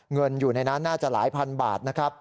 เงินอยู่ในนั้นน่าจะหลายพันบาทนะครับ